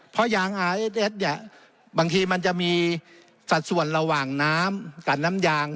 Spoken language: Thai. เพราะยางอาเอสเอสเนี่ยบางทีมันจะมีสัดส่วนระหว่างน้ำกับน้ำยาง